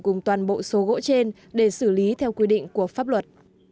cùng toàn bộ số gỗ trên để xử lý theo quy định của pháp luật